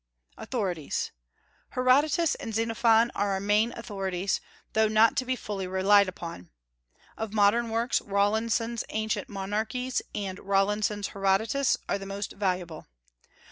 AUTHORITIES. Herodotus and Xenophon are our main authorities, though not to be fully relied upon. Of modern works Rawlinson's Ancient Monarchies and Rawlinson's Herodotus are the most valuable.